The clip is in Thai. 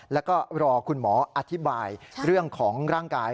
แล้วก็รอคุณหมออธิบายเรื่องของร่างกาย